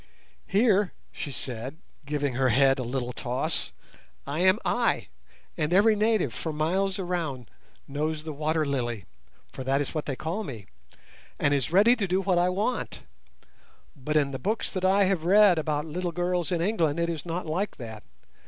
Here," she said, giving her head a little toss, "I am I; and every native for miles around knows the 'Water lily',—for that is what they call me—and is ready to do what I want, but in the books that I have read about little girls in England it is not like that.